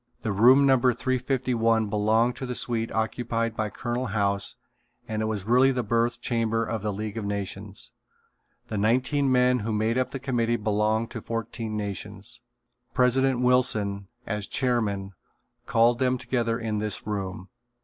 The room number 351 belonged to the suite occupied by Colonel House and it was really the birth chamber of the League of Nations. The nineteen men who made up the committee belonged to fourteen nations. President Wilson, as chairman, called them together in this room.